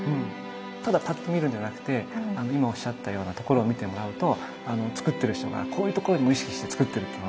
ただパッと見るんじゃなくて今おっしゃったようなところを見てもらうとつくってる人がこういうところにも意識してつくってるっていうのが分かるわけです。